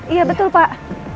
iya betul pak